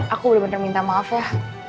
aku benar benar minta maaf ya